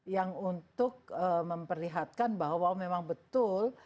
yang untuk memperlihatkan bahwa memang betul